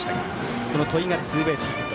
戸井がツーベースヒット。